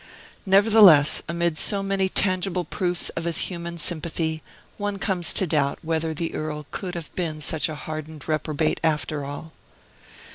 Nevertheless, amid so many tangible proofs of his human sympathy, one comes to doubt whether the Earl could have been such a hardened reprobate, after all.